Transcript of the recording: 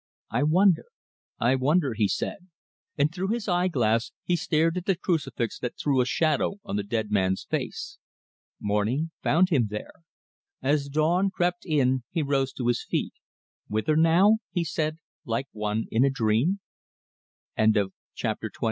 "I wonder I wonder," he said, and through his eyeglass he stared at the crucifix that threw a shadow on the dead man's face. Morning found him there. As dawn crept in he rose to his feet. "Whither now?" he said, like one in a dream. CHAPTER XXII.